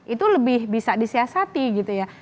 itu lebih bisa disiasati gitu ya